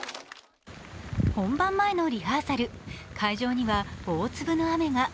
本番前のリハーサル、会場には大粒の雨が。